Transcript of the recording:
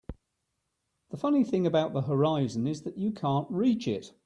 The funny thing about the horizon is that you can't reach it.